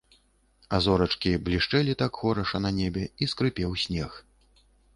А зорачкі блішчэлі так хораша на небе, і скрыпеў снег.